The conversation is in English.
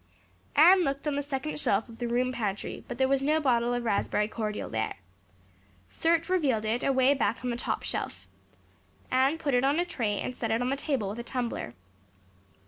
Anne looked on the second shelf of the room pantry but there was no bottle of raspberry cordial there. Search revealed it away back on the top shelf. Anne put it on a tray and set it on the table with a tumbler.